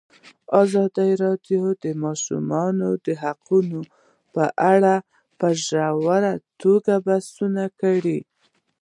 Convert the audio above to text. ازادي راډیو د د ماشومانو حقونه په اړه په ژوره توګه بحثونه کړي.